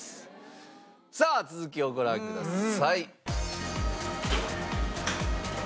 さあ続きをご覧ください。